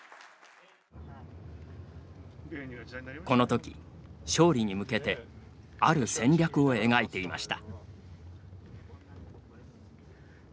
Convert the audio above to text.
このとき、勝利に向けてある戦略を描いていました。